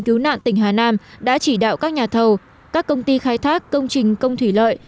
cứu nạn tỉnh hà nam đã chỉ đạo các nhà thầu các công ty khai thác công trình công thủy lợi